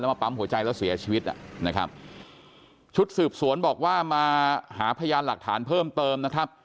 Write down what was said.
มาปั๊มหัวใจแล้วเสียชีวิตนะครับชุดสืบสวนบอกว่ามาหาพยานหลักฐานเพิ่มเติมนะครับ